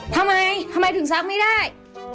ทำไมทำไมถึงซักไม่ได้